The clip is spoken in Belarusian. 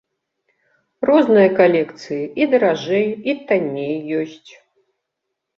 Розныя калекцыі, і даражэй, і танней ёсць.